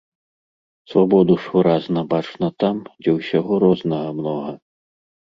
Свабоду ж выразна бачна там, дзе ўсяго рознага многа.